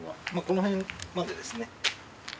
この辺までですね。